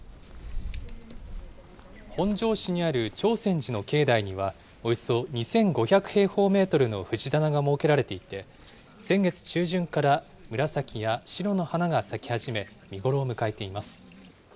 本庄市にある長泉寺の境内には、およそ２５００平方メートルの藤棚が設けられていて、先月中旬から紫や白の花が咲き始め、見頃を迎えています。